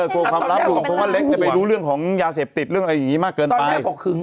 กลัวคำหรับว่าเล็กก็เรียนได้ไปเลกไปรู้เรื่องของยาเสพติดเรื่องอะไรอย่างงี้มากเกินไป